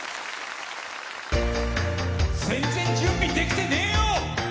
全然準備できてねえよ！